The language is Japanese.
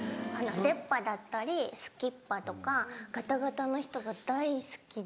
出っ歯だったりすきっ歯とかガタガタの人が大好きで。